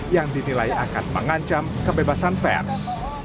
yang dinilai akan mengancam kebebasan pers